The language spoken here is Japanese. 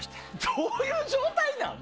どういう状態なん！